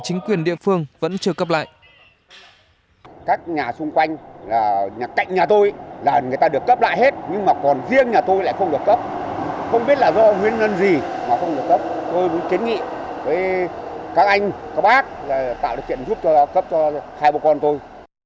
tôi muốn kiến nghị với các anh các bác là tạo được chuyện giúp cấp cho hai bộ con tôi